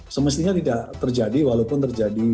semestinya tidak terjadi walaupun terjadi